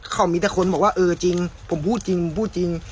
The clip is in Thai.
เขามีแต่คนบอกว่าเออจริงผมพูดจริงพูดจริง